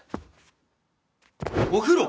お風呂！